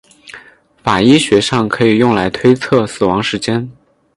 法医学上可以用来推测死亡时间。